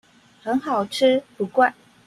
很好吃不貴